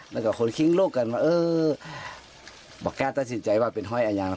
แล้วก็คนคิ้งลูกกันเออบอกแก้ตัดสินใจว่าเป็นห้อยอันยัง